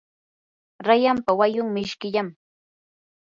rayanpa wayun mishkillam.